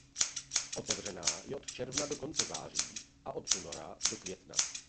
Otevřená je od června do konce září a od února do května.